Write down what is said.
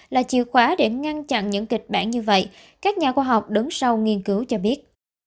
là chìa khóa để ngăn chặn những kịch bản như vậy các nhà khoa học đứng sau nghiên cứu cho biết